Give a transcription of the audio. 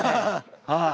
はい。